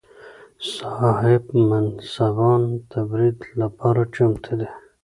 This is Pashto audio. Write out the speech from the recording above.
صاحب منصبان د برید لپاره چمتو دي.